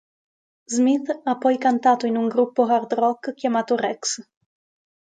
Smith ha poi cantato in un gruppo hard rock chiamato Rex.